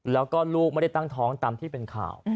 แล้วก็ลูกไม่ได้ตั้งท้องตามที่เป็นข่าว